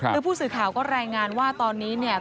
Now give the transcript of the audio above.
คือผู้สื่อข่าวก็รายงานว่าตอนนี้เนี่ย